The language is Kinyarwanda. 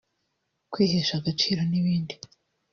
kwihesha agaciro n’ibindi